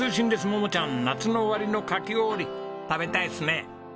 桃ちゃん夏の終わりのかき氷食べたいっすね！